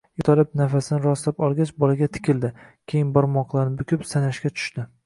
Yoʻtalib, nafasini rostlab olgach bolaga tikildi, keyin barmoqlarini bukib sanashga tushdi